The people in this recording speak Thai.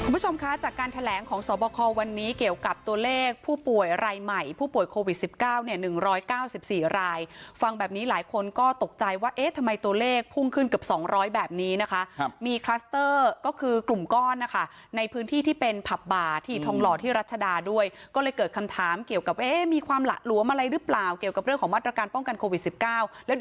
คุณผู้ชมคะจากการแถลงของสวบควันนี้เกี่ยวกับตัวเลขผู้ป่วยรายใหม่ผู้ป่วยโควิด๑๙เนี่ย๑๙๔รายฟังแบบนี้หลายคนก็ตกใจว่าเอ๊ะทำไมตัวเลขพุ่งขึ้นเกือบสองร้อยแบบนี้นะคะครับมีคลัสเตอร์ก็คือกลุ่มก้อนนะคะในพื้นที่ที่เป็นผับบาร์ที่ทองหล่อที่รัชดาด้วยก็เลยเกิดคำถามเกี่ยวกับเอ๊ะมีความหละหลวมอะไรหรือเปล่าเกี่ยวกับเรื่องของมาตรการป้องกันโควิด๑๙แล้ว